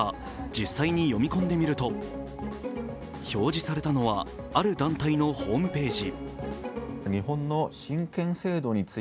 実際に読み込んでみると、表示されたのは、ある団体のホームページ。